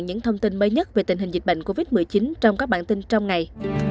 những thông tin mới nhất về tình hình dịch bệnh covid một mươi chín trong các bản tin trong ngày